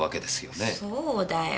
そうだよ